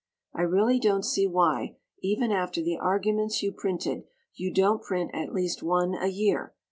I really don't see why, even after the arguments you printed, you don't print at least one a year.